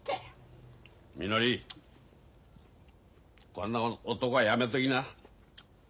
みのりこんな男はやめときな。